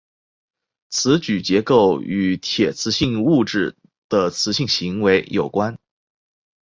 磁矩结构与铁磁性物质的磁性行为有关。